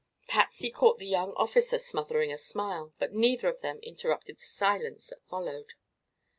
Patsy caught the young officer smothering a smile, but neither of them interrupted the silence that followed.